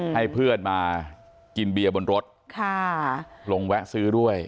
ให้เพื่อนมากินเบียร์บนรถลงแวะซื้อด้วย